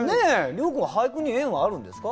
諒君は俳句に縁はあるんですか？